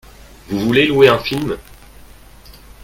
Vous voulez louer un film ?